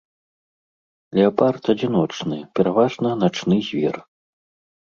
Леапард адзіночны, пераважна начны звер.